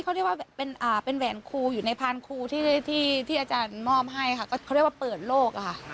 เขาเรียกว่าเปิดโลกค่ะ